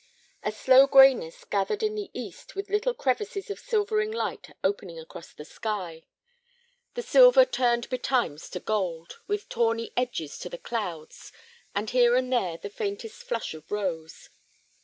A slow grayness gathered in the east with little crevices of silvering light opening across the sky. The silver turned betimes to gold, with tawny edges to the clouds, and here and there the faintest flush of rose.